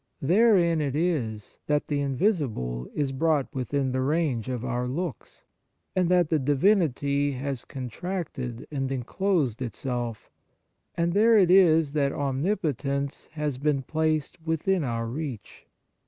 Therein it is that the invisible is brought within the range of our looks, and that the Divinity has contracted and enclosed itself, and there it is that Omnipotence has been placed within our reach.